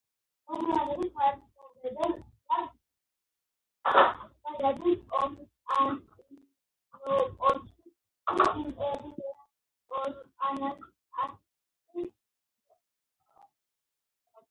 მოგვიანებით საცხოვრებლად გადადის კონსტანტინოპოლში იმპერატორ ანასტასის დროს.